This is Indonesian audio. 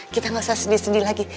kita gak usah sedih sedih lagi